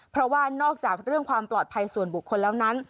เพราะว่านอกจากเรื่องความปลอดภัยส่วนบุคคลแล้วนั้น